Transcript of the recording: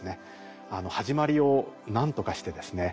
はじまりをなんとかしてですね